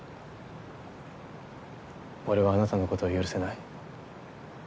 俺はあなたのことを許せない。